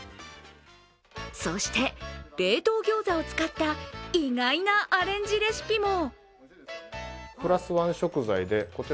そして、冷凍ギョーザを使った意外なアレンジレシピも。